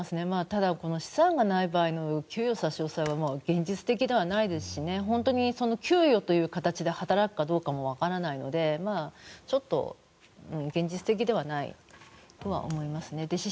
ただ、資産がない場合の給与差し押さえは現実的ではないですし本当に給与という形で働くかどうかもわからないのでちょっと現実的ではないとは思いますね。